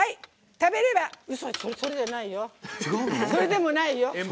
違う、それでもないよ！